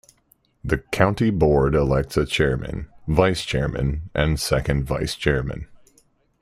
The County Board elects a chairman, vice-chairman, and second vice-chairman.